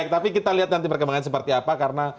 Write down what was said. tapi kita lihat nanti perkembangan seperti apa karena